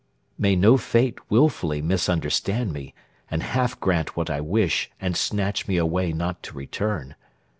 May no fate willfully misunderstand me And half grant what I wish and snatch me away Not to return.